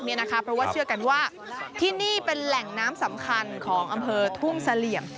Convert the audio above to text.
เพราะว่าเชื่อกันว่าที่นี่เป็นแหล่งน้ำสำคัญของอำเภอทุ่งเสลี่ยม